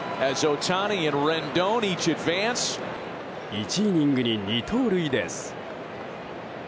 １イニングに２盗塁です。